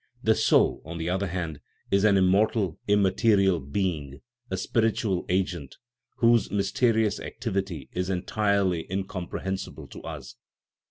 The soul, on the other hand, is an immortal, immaterial being, a spiritual agent, whose mysterious activity is entirely incomprehensible to us.